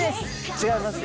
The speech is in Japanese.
違いますよ。